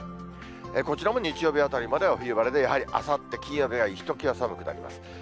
こちらも日曜日あたりまでは冬晴れでやはりあさって金曜日はひときわ寒くなります。